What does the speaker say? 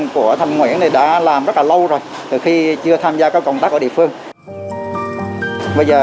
của thầm nguyễn này đã làm rất là lâu rồi từ khi chưa tham gia các công tác ở địa phương bây giờ